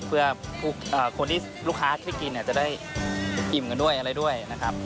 เพื่อคนที่ลูกค้าช่วยกินจะได้อิ่มกันด้วยอะไรด้วยนะครับ